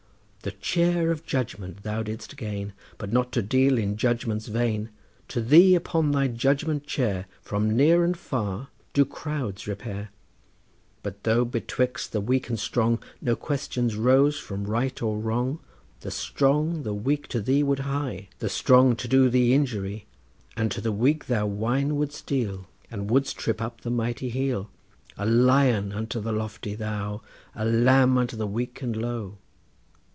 The chair of judgment thou didst gain, But not to deal in judgments vain— To thee upon thy judgment chair From near and far do crowds repair; But though betwixt the weak and strong No questions rose of right and wrong, The strong and weak to thee would hie; The strong to do thee injury, And to the weak thou wine wouldst deal And wouldst trip up the mighty heel. A lion unto the lofty thou, A lamb unto the weak and low.